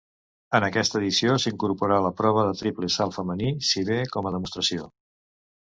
En aquesta edició s'incorporà la prova de triple salt femení, si bé com a demostració.